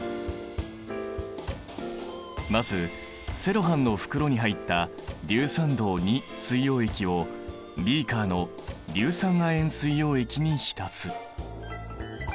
まずセロハンの袋に入った硫酸銅水溶液をビーカーの硫酸亜鉛水溶液に浸す。